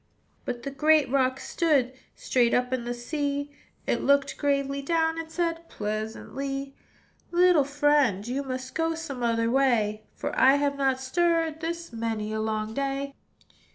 But the great rock stood Straight up in the sea: It looked gravely down, And said pleasantly, "Little friend, you must Go some other way; For I have not stirred This many a long day.